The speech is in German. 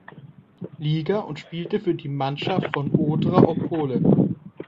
Liga und spielte für die Mannschaft von Odra Opole.